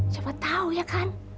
siapa tahu ya kan